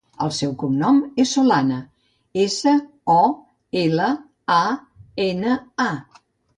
El seu cognom és Solana: essa, o, ela, a, ena, a.